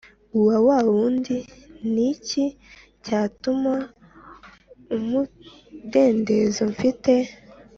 uwa wa wundi cNi iki cyatuma umudendezo mfite